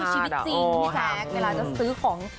อันนี้คือชีวิตจริงพี่แซ็กเวลาจะซื้อของ